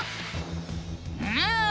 うん！